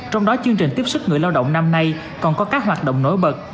trong đó chương trình tiếp sức người lao động năm nay còn có các hoạt động nổi bật